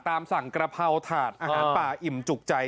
ตามสั่งกระเพราถาดอาหารป่าอิ่มจุกใจ